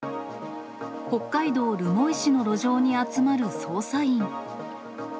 北海道留萌市の路上に集まる捜査員。